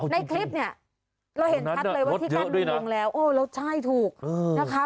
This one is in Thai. ในคลิปเนี่ยเราเห็นชัดเลยว่าที่กั้นดูลงแล้วโอ้แล้วใช่ถูกนะคะ